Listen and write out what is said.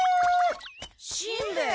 しんべヱ！